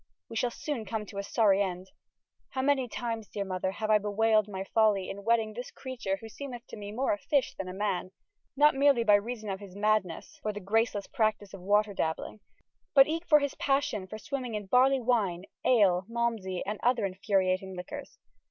wee shall soone come to a sorrye ende. How many tymes, deare Mother, have I bewailed my follye in wedding this creature who seemeth to mee more a fysh than a man, not mearly by reason of hys madnesse for the gracelesse practice of water dabbling, but eke for hys passion for swimming in barley wine, ale, malmsey and other infuriatyng liquours.